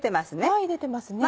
はい出てますね。